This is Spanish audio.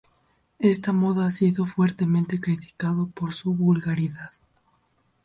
Esta moda ha sido fuertemente criticado por su vulgaridad.